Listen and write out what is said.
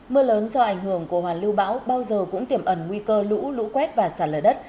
mưa lớn do ảnh hưởng của hoàn lưu bão bao giờ cũng tiềm ẩn nguy cơ lũ lũ quét và sạt lở đất